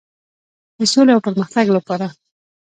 د سولې او پرمختګ لپاره.